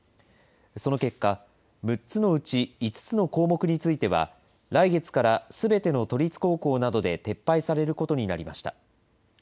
その結果、６つのうち５つの項目については、来月からすべての都立高校などで撤廃されることになりました。